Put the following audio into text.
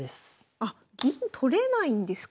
あっ銀取れないんですか。